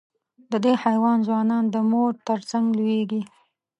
د دې حیوان ځوانان د مور تر څنګ لویېږي.